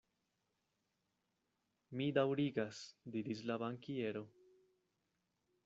Mi daŭrigas, diris la bankiero.